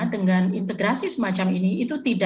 dengan integrasi semacam ini itu tidak